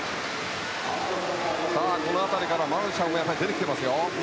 この辺りからマルシャン出てきていますよ。